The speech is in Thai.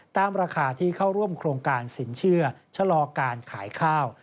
ตามราคาที่เข้าร่วมโครงการสินเชื่อชะลอการขายข้าว